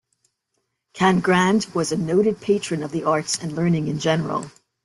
Cangrande was a noted patron of the arts and learning in general.